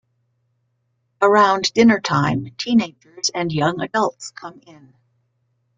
Around dinner time, teenagers and young adults come in.